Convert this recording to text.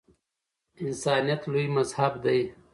انسانیت لوی مذهب دی